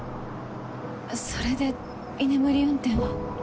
それで居眠り運転を？